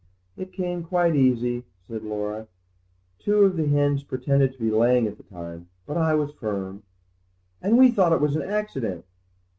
"It came quite easy," said Laura; "two of the hens pretended to be laying at the time, but I was firm." "And we thought it was an accident!"